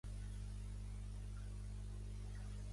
En tornar a Alger, Kara Ali li va castigar retirant-li el vaixell.